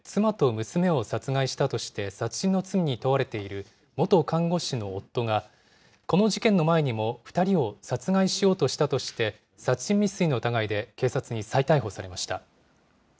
去年１１月、新潟市内の自宅で妻と娘を殺害したとして殺人の罪に問われている元看護師の夫が、この事件の前にも、２人を殺害しようとしたとして、殺人未遂の疑いで、警察に再逮捕されました。